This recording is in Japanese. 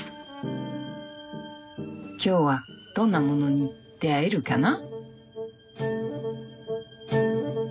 今日はどんなものに出会えるかな。